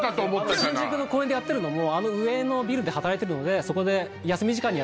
新宿の公園でやってるのもあの上のビルで働いてるのでそこで。